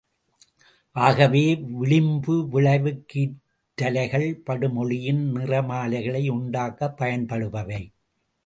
ஆகவே, விளிம்பு விளைவுக் கீற்றலைகள் படுஒளியின் நிறமாலைகளை உண்டாக்கப் பயன்படுபவை.